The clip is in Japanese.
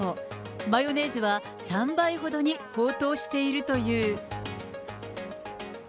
マヨネーズは３倍ほどに高騰しているという。